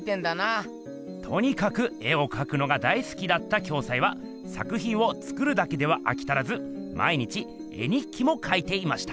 とにかく絵をかくのが大すきだった暁斎は作ひんを作るだけではあきたらず毎日絵日記もかいていました。